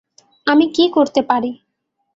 আমি কি করতে পারি?